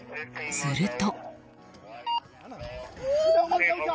すると。